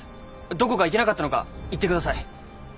どこがいけなかったのか言ってください。